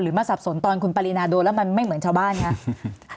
มาสับสนตอนคุณปรินาโดนแล้วมันไม่เหมือนชาวบ้านครับ